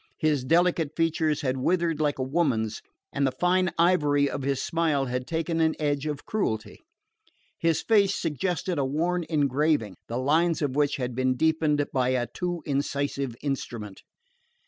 His delicate features had withered like a woman's, and the fine irony of his smile had taken an edge of cruelty. His face suggested a worn engraving, the lines of which have been deepened by a too incisive instrument.